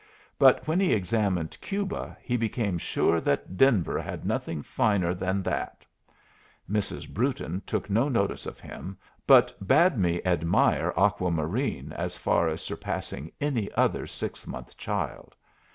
But when he examined Cuba, he became sure that Denver had nothing finer than that. Mrs. Brewton took no notice of him, but bade me admire Aqua Marine as far surpassing any other 6 month child.